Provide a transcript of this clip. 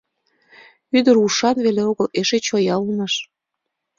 — Ӱдыр ушан веле огыл, эше чоя улмаш.